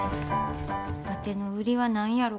わての売りは何やろか？